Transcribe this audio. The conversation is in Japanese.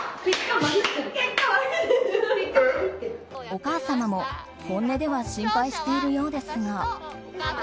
お母様も本音では心配しているようですが。